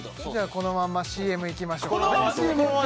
このままＣＭいきますか？